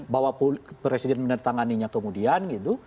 bahwa presiden menertangani nya kemudian gitu